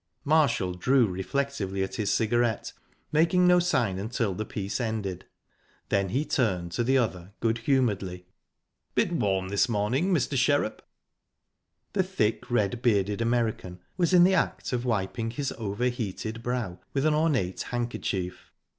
Marshall drew reflectively at his cigarette, making no sign until the piece ended. Then he turned to the other good humouredly. "Bit warm this morning, Mr. Sherrup?" The thick, red bearded American was in the act of wiping his over heated brow with an ornate handkerchief.